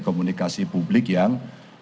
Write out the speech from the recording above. komunikasi publik yang